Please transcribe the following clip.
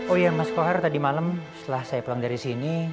oh iya mas kohar tadi malam setelah saya pulang dari sini